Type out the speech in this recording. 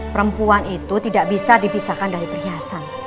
perempuan itu tidak bisa dipisahkan dari perhiasan